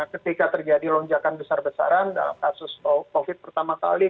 ketika terjadi lonjakan besar besaran dalam kasus covid pertama kali